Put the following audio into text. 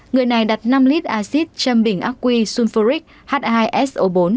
người này đặt năm lít acid châm bình aquisulfuric h hai so bốn